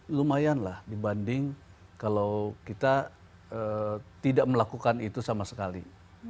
lumayan lah dibanding kalau kita tidak melakukan itu sama sekali